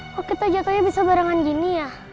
kok kita jatuhnya bisa barengan gini ya